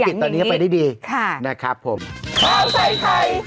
สบายแล้วเพราะธุรกิจตอนนี้ก็ไปได้ดี